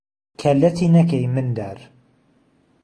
که لهتی نهکهی مندار